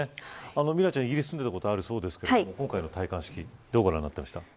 ミラちゃん、イギリスに住んでいたことあるそうですが今回の戴冠式、どうご覧になりましたか。